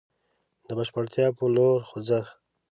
د بشپړتيا په لور خوځښت.